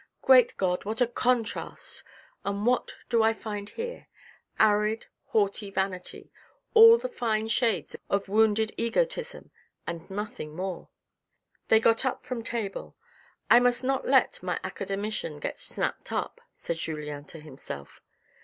" Great God what a contrast and what do I find here ? Arid, haughty vanity : all the fine shades of wounded egotism and nothing more." They got up from table. " I must not let my academician get snapped up," said Julien to himself.